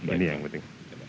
ini yang penting